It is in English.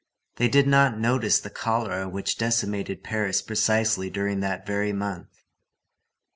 They did not notice the cholera which decimated Paris precisely during that very month.